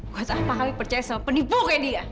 gua tak apa apa percaya sama penipu kayak dia